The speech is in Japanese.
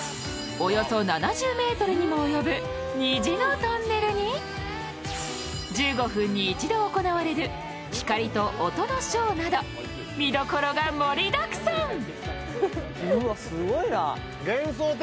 およそ７０ｍにも及ぶ虹のトンネルに１５分に一度行われる光と音のショーなど見どころが盛りだくさん。